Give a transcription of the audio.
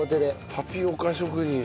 タピオカ職人。